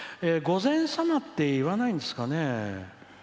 午前様って言わないんですかね。